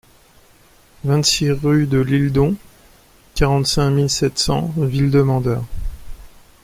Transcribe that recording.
vingt-six rue de Lisledon, quarante-cinq mille sept cents Villemandeur